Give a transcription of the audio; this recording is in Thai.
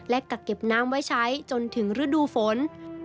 กักเก็บน้ำไว้ใช้จนถึงฤดูฝน